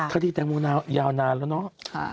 คดีแตงโมยาวนานแล้วเนาะ